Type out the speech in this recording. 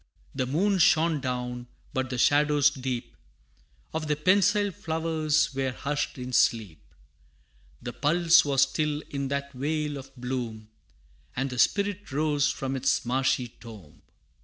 The moon shone down, but the shadows deep Of the pensile flowers, were hushed in sleep. The pulse was still in that vale of bloom, And the Spirit rose from its marshy tomb.